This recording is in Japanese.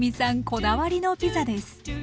こだわりのピザです。